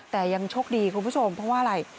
แต่ยังโชคดีคุณผู้ชมเพราะว่าอะไร